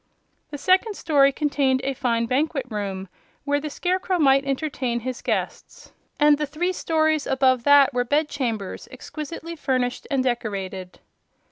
The second story contained a fine banquet room, where the Scarecrow might entertain his guests, and the three stories above that were bed chambers exquisitely furnished and decorated.